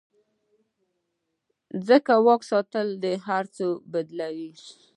ځکه واک ساتل هر څه بدلوي.